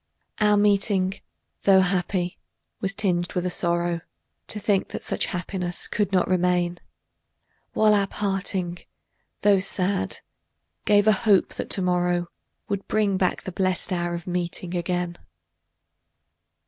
Our meeting, tho' happy, was tinged by a sorrow To think that such happiness could not remain; While our parting, tho' sad, gave a hope that to morrow Would bring back the blest hour of meeting again.